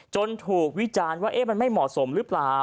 ถูกวิจารณ์ว่ามันไม่เหมาะสมหรือเปล่า